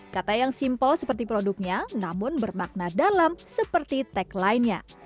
kata yang simpel seperti produknya namun bermakna dalam seperti tagline nya